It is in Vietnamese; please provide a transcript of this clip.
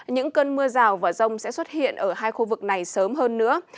những cơn mưa rào và rông sẽ xuất hiện ở hai khu vực này sớm hơn nữa